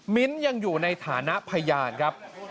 มิ้นท์ยังอยู่ในฐานะพยานครับ